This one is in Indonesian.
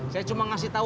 saya cuma ngasih tahu